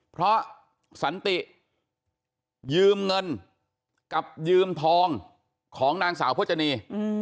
เพราะสันติยืมเงินกับยืมทองของนางสาวพจนี